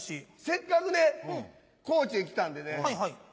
せっかくね高知へ来たんでね。